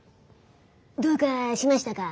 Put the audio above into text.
「どうかしましたか？」